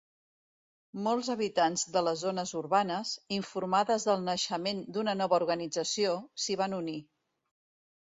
Molts habitants de les zones urbanes, informades del naixement d'una nova organització, s'hi van unir.